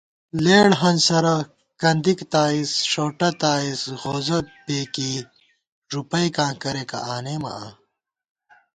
لېڑ ہنسَرہ، کندِک تائیز، ݭؤٹہ تائیز، غوزہ پېکېئی، ݫُپئیکاں کریَکہ آنېمہ آں